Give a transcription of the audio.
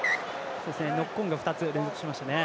ノックオンが２つ連続しましたね。